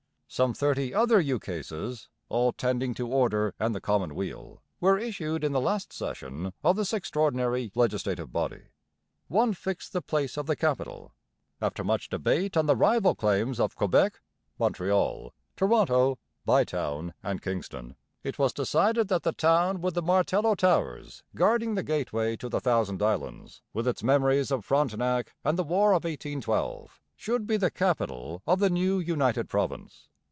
Some thirty other ukases, all tending to order and the common weal, were issued in the last session of this extraordinary legislative body. One fixed the place of the capital. After much debate on the rival claims of Quebec, Montreal, Toronto, Bytown, and Kingston, it was decided that the town with the martello towers guarding the gateway to the Thousand Islands, with its memories of Frontenac and the War of 1812, should be the capital of the new united province.